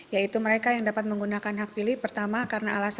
yaitu mereka yang dapat menggunakan hak pilih pertama karena alasan